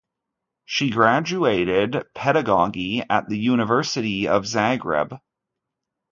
She graduated pedagogy at the University of Zagreb.